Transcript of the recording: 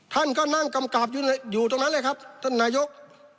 ท่านก็นั่งกำกับอยู่ตรงนั้นเลยครับท่านนายก